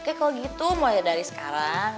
oke kalau gitu mulai dari sekarang